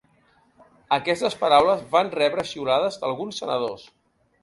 Aquestes paraules van rebre xiulades d’alguns senadors.